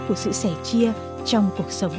của sự sẻ chia trong cuộc sống